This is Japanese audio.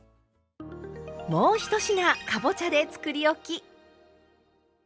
もう１品かぼちゃでつくりおき！